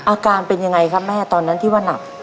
อาการเป็นยังไงครับแม่ตอนนั้นที่ว่าหนัก